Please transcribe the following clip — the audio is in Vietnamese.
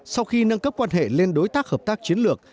sau khi nâng cấp quan hệ lên đối tác hợp tác chiến lược